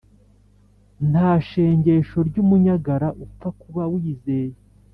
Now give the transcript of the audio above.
Ntashengesho ryumunyagara upfa kuba wizeye